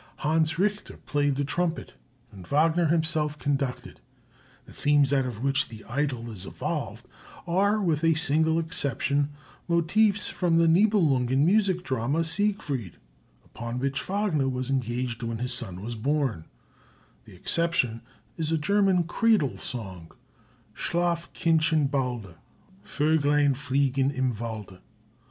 Hans Richter played the trumpet, and Wagner himself conducted. The themes out of which the "Idyl" is evolved are, with a single exception, motives from the Nibelungen music drama "Siegfried," upon which Wagner was engaged when his son was born; the exception is a German cradle song, Schlaf, Kindchen, balde, Vöglein flieg'n im Walde.